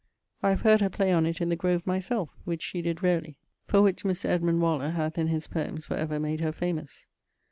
I have heard her play on it in the grove myselfe, which she did rarely; for which Mr. Edmund Waller hath in his Poems for ever made her famous.